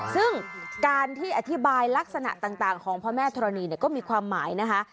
ซึ่งการที่อธิบายลักษณะต่างของพระแม่ธรณีเนี่ยก็มีความหมายนะคะ